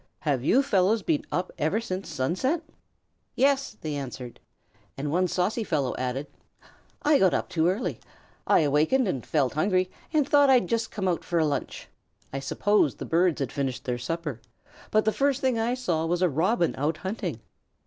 Have you fellows been up ever since sunset?" "Yes," they answered; and one saucy fellow added: "I got up too early. I awakened and felt hungry, and thought I'd just come out for a lunch. I supposed the birds had finished their supper, but the first thing I saw was a Robin out hunting.